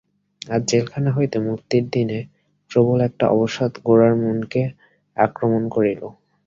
আজ জেলখানা হইতে মুক্তির দিনে প্রবল একটা অবসাদ গোরার মনকে আক্রমণ করিল।